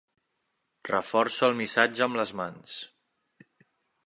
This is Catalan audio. Reforça el missatge amb les mans.